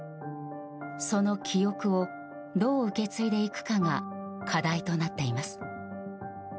その記憶をどう受け継いでいくかが課題となっています。